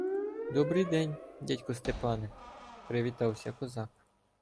— Добридень, дядьку Степане! — привітався козак.